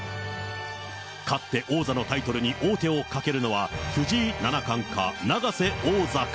勝って王座のタイトルに王手をかけるのは、藤井七冠か、永瀬王座か。